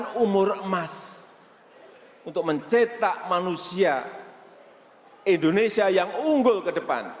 dengan umur emas untuk mencetak manusia indonesia yang unggul ke depan